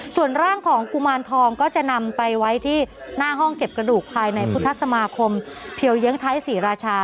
ส่วนร่างของกุมารทองก็จะนำไปไว้ที่หน้าห้องเก็บกระดูกภายในพุทธสมาคมเพียวเยื้องไทยศรีราชา